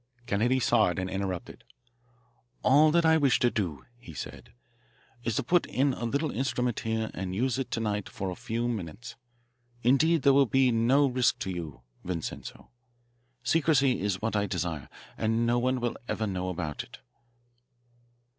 Kennedy saw it and interrupted. "All that I wish to do," he said, "is to put in a little instrument here and use it to night for a few minutes. Indeed, there will be no risk to you, Vincenzo. Secrecy is what I desire, and no one will ever know about it."